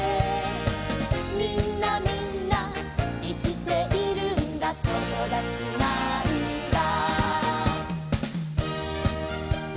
「みんなみんないきているんだともだちなんだ」